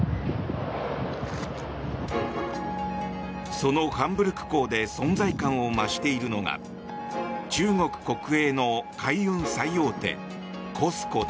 そのハンブルク港で存在感を増しているのが中国国営の海運最大手ＣＯＳＣＯだ。